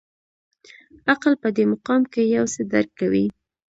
عقل په دې مقام کې یو څه درک کوي.